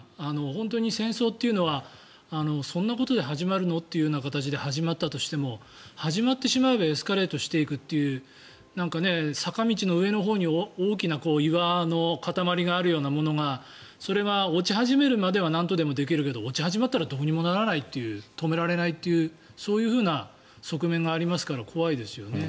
本当に戦争というのはそんなことで始まるの？という形で始まったとしても始まってしまえばエスカレートしていくという坂道の上のほうに大きな岩の塊があるようなものがそれが落ち始めるまではなんとでもできるけど落ち始めたらどうにもならない止められないというそういうふうな側面がありますから怖いですよね。